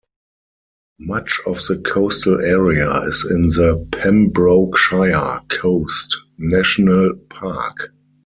Much of the coastal area is in the Pembrokeshire Coast National Park.